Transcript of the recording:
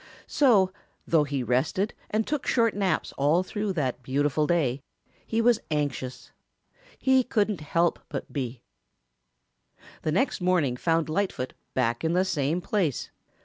So, though he rested and took short naps all through that beautiful day, he was anxious. He couldn't help but be. The next morning found Lightfoot back in the same place.